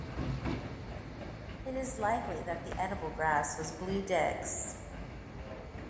It is likely that the edible grass was blue dicks.